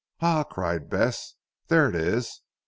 "Ah," cried Bess, "there it is.